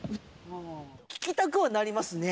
聴きたくはなりますね。